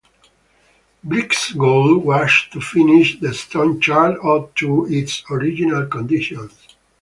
Blix's goal was to finish the stone church to its original conditions.